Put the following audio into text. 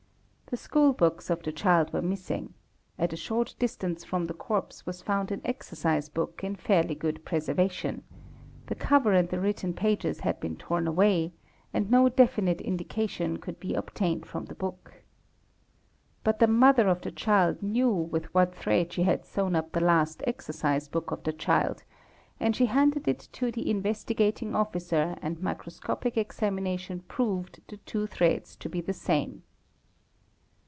The school books of the child were missing; ata short distance from the corpse was found an exercise book in fairly good preservation ; the cover and the written pages had been torn away and no definite indication could be obtained from the book. But the mother of the _ child knew with what thread she had sewn up the last exercise book f of the child and she handed it to the Investigating Officer and micros } copic examination proved the two threads to be the same.